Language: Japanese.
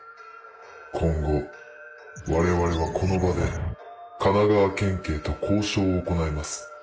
今後我々はこの場で神奈川県警と交渉を行います。